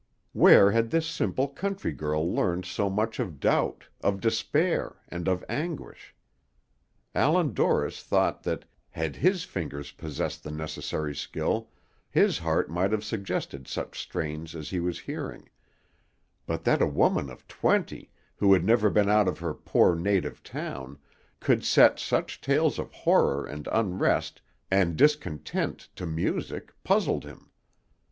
Where had this simple country girl learned so much of doubt, of despair, and of anguish? Allan Dorris thought that had his fingers possessed the necessary skill, his heart might have suggested such strains as he was hearing; but that a woman of twenty, who had never been out of her poor native town, could set such tales of horror and unrest and discontent to music, puzzled him.